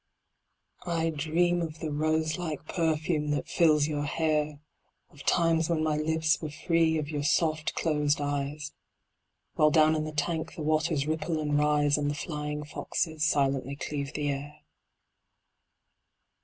I dream of the rose like perfume that fills your hair, Of times when my lips were free of your soft closed eyes, While down in the tank the waters ripple and rise And the flying foxes silently cleave the air.